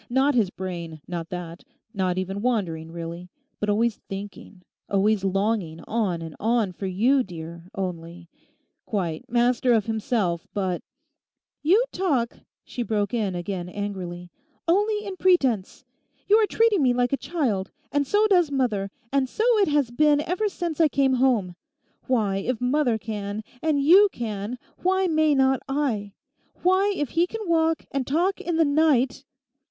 Not his brain, not that, not even wandering; really: but always thinking, always longing on and on for you, dear, only. Quite, quite master of himself, but—' 'You talk,' she broke in again angrily, 'only in pretence! You are treating me like a child; and so does mother, and so it has been ever since I came home. Why, if mother can, and you can, why may not I? Why, if he can walk and talk in the night....